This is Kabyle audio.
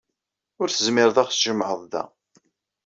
Ur tezmireḍ ad aɣ-tjemɛeḍ da.